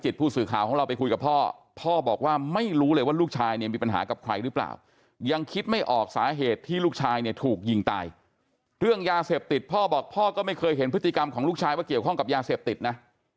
ที่ลูกชายถูกยิงตายเรื่องยาเสพติกพ่อบอกว่าพ่อก็ไม่เคยเห็นพฤติกรรมของลูกชายว่าเกี่ยวข้องกับยาเสพติกนะ